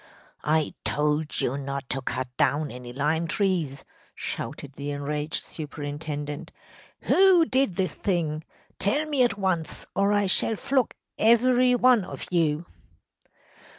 “I told you not to cut down any lime trees!‚ÄĚ shouted the enraged superintendent. “Who did this thing? Tell me at once, or I shall flog every one of you!